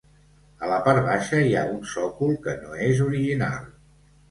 A la part baixa hi ha un sòcol que no és original.